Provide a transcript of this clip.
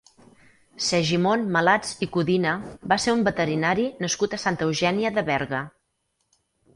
Segimon Malats i Codina va ser un veterinari nascut a Santa Eugènia de Berga.